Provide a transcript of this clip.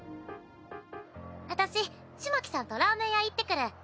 私風巻さんとラーメン屋行ってくる。